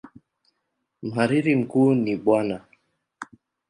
Mhariri mkuu ni Bw.